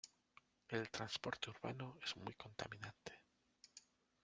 El transporte urbano es muy contaminante.